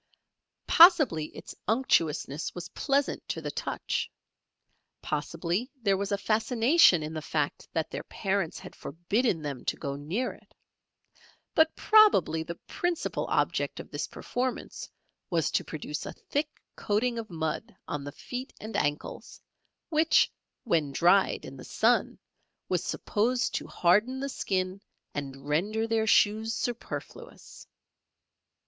Possibly its unctuousness was pleasant to the touch; possibly there was a fascination in the fact that their parents had forbidden them to go near it, but probably the principal object of this performance was to produce a thick coating of mud on the feet and ankles, which, when dried in the sun, was supposed to harden the skin and render their shoes superfluous.